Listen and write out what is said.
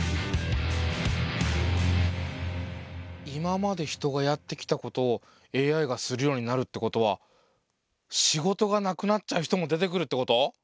今まで人がやってきたことをＡＩがするようになるってことは仕事がなくなっちゃう人も出てくるってこと？